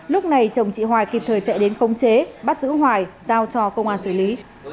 lúc này chồng chị hoài kịp thời chạy đến khống chế bắt giữ hoài giao cho công an xử lý